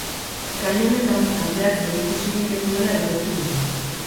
Gai honetan taldeak zerikusirik ez duela aitortu du.